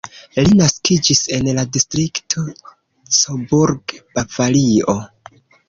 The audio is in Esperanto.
Li naskiĝis en la distrikto Coburg, Bavario.